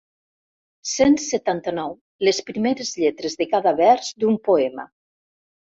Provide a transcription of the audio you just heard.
Cent setanta-nou les primeres lletres de cada vers d'un poema».